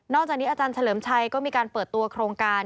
จากนี้อาจารย์เฉลิมชัยก็มีการเปิดตัวโครงการ